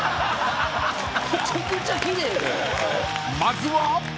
［まずは］